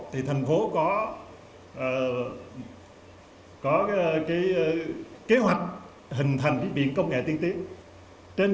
thì thành phố có kế hoạch hình thành biển công nghệ tiên tiến